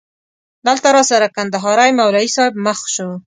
دلته راسره کندهاری مولوی صاحب مخ شو.